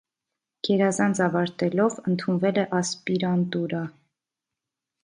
Գերազանց ավարտելով՝ ընդունվել է ասպիանտուրա։